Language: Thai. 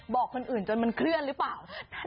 บอกคนอื่นจนมันเคลื่อนหรือเปล่า